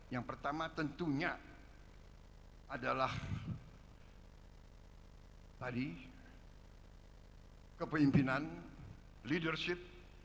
yang pertama tentunya adalah tadi kepemimpinan leadership